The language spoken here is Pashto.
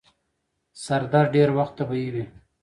سردرد ډير وخت طبیعي وي.